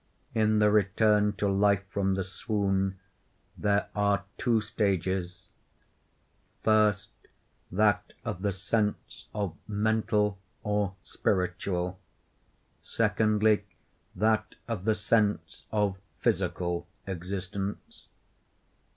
In the return to life from the swoon there are two stages; first, that of the sense of mental or spiritual; secondly, that of the sense of physical, existence.